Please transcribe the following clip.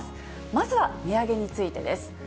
まずは値上げについてです。